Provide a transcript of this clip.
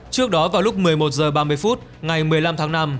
trước đó vào lúc một mươi một h ba mươi phút ngày một mươi năm tháng năm